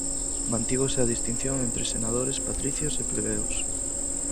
Mantívose a distinción entre Senadores patricios e plebeos.